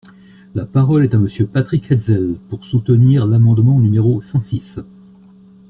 La parole est à Monsieur Patrick Hetzel, pour soutenir l’amendement numéro cent six.